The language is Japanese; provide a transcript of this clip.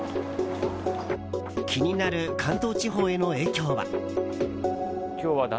気になる関東地方への影響は。